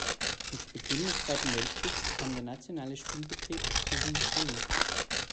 Mit Beginn des Zweiten Weltkriegs kam der nationale Spielbetrieb zum Erliegen.